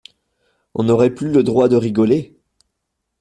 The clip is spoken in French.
on n’aurait plus le droit de rigoler !